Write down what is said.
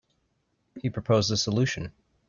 He proposed a solution.